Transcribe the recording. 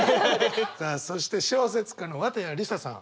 さあそして小説家の綿矢りささん。